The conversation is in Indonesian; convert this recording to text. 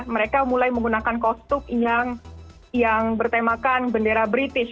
mereka mulai menggunakan kostum yang bertemakan bendera british